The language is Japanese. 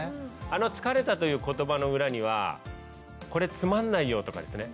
あの「疲れた」という言葉の裏にはこれつまんないよとかですね